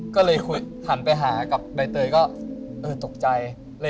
ก็เลยหันไปหากับใบเตยก็ตกใจ